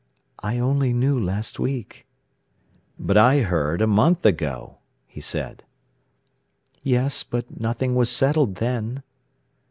"I only knew last week." "But I heard a month ago," he said. "Yes; but nothing was settled then."